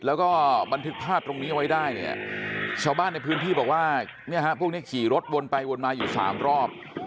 แล้วก็บันทึกภาพตรงนี้เอาไว้ได้เนี่ยชาวบ้านในพื้นที่บอกว่าเนี่ยฮะพวกนี้ขี่รถวนไปวนมาอยู่๓รอบ